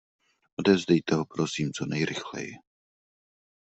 Odevzdejte ho prosím co nejrychleji.